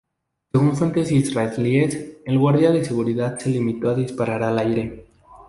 Según fuentes israelíes, el guardia de seguridad se limitó a disparar al aire.